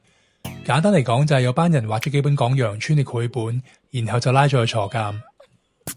簡單嚟講就係有班人畫咗幾本講羊村嘅繪本然後就拉咗去坐監